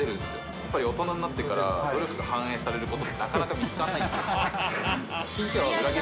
やっぱり、大人になってから、努力が反映されることってなかなか見つからないんですよ。